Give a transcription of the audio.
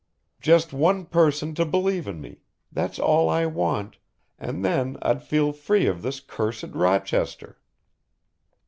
Just one person to believe in me, that's all I want and then I'd feel free of this cursed Rochester.